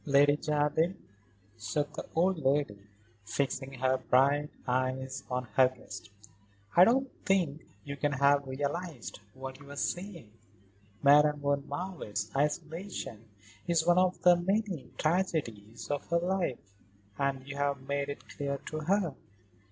"Lady Jardine," said the old lady, fixing her bright eyes on her guest, "I don't think you can have realised what you were saying. Madame von Marwitz's isolation is one of the many tragedies of her life, and you have made it clear to her."